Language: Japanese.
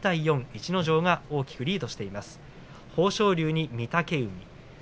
逸ノ城が大きくリードしています。